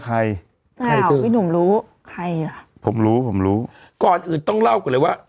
ใครพี่หนูรู้ใครอ่ะผมรู้ผมรู้ก่อนอื่นต้องเล่ากันเลยว่า